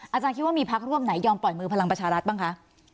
อาจารย์คิดว่ามีพักร่วมไหนยอมปล่อยมือพลังประชารัฐบ้างคะ